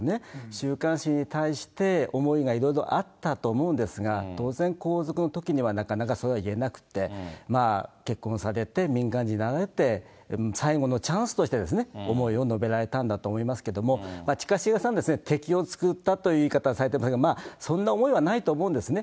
週刊誌に対して思いがいろいろあったと思うんですが、当然皇族のときにはなかなかそれは言えなくて、結婚されて、民間人になられて、最後のチャンスとして、思いを述べられたんだと思いますけども、近重さんですね、敵を作ったという言い方をされたんですが、そんな思いはないと思うんですね。